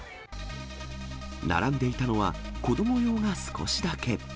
並んでいたのは子ども用が少しだけ。